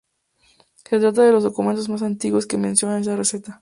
Se trata de los documentos más antiguos que mencionan esta receta.